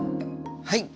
はい。